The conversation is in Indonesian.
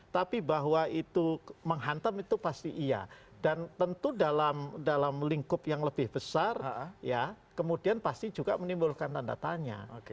tapi bahwa itu menghantam itu pasti iya dan tentu dalam lingkup yang lebih besar ya kemudian pasti juga menimbulkan tanda tanya